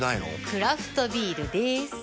クラフトビールでーす。